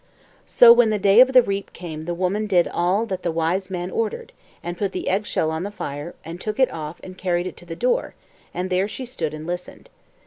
So when the day of the reap came the woman did all that the Wise Man ordered, and put the eggshell on the fire and took it off and carried it to the door, and there she stood and listened.